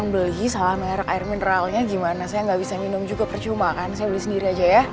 beli salah merek air mineralnya gimana saya nggak bisa minum juga percuma kan saya beli sendiri aja ya